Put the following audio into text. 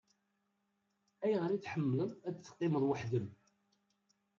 Ayɣer i tḥemmleḍ ad teqqimeḍ weḥd-m?